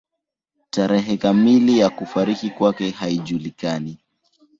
Tarehe kamili ya kufariki kwake haijulikani.